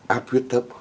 áp huyết thấp